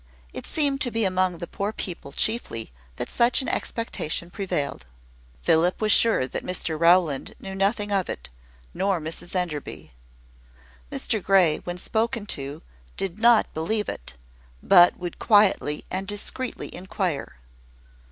It seemed to be among the poor people chiefly that such an expectation prevailed. Philip was sure that Mr Rowland knew nothing of it, nor Mrs Enderby. Mr Grey, when spoken to, did not believe it, but would quietly and discreetly inquire.